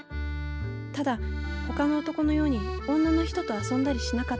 ただほかの男のように女の人と遊んだりしなかった。